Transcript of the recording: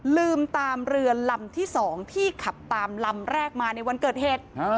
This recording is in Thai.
ลืมตามเรือลำที่๒ที่ขับตามลำแรกมาในวันเกิดเหตุ